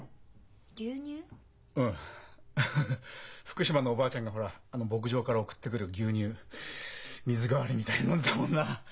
福島のおばあちゃんがほら牧場から送ってくる牛乳水代わりみたいに飲んでたもんな。